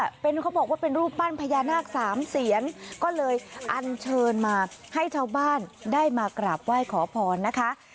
เขาบอกว่าเป็นรูปปั้นพญานาคสามเสียนก็เลยอันเชิญมาให้ชาวบ้านได้มากราบไหว้ขอพรนะคะ